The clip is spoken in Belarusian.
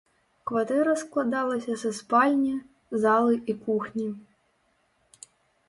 Кватэра складалася са спальні, залы і кухні.